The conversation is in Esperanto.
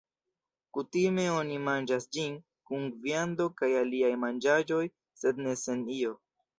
Kutime oni manĝas ĝin, kun viando kaj aliaj manĝaĵoj, sed ne sen io.